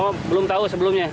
oh belum tahu sebelumnya